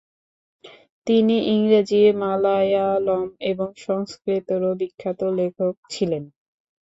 তিনি ইংরেজি, মালায়ালম এবং সংস্কৃতেরও বিখ্যাত লেখক ছিলেন।